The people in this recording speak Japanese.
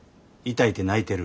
痛いて泣いてる。